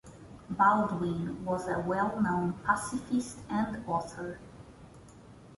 Baldwin was a well-known pacifist and author.